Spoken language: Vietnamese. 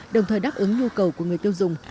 đồng thời đáp ứng nhu cầu của người tiêu dùng